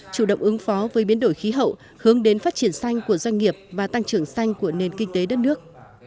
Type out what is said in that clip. chủ động ứng phó với biến đổi khí hậu hướng đến phát triển xanh của doanh nghiệp và tăng trưởng xanh của nền kinh tế đất nước